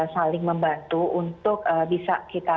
saling membantu untuk bisa kita